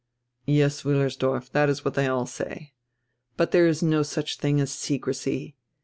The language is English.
"Yes, Wiillersdorf, diat is what diey all say. But diere is no such tiling as secrecy.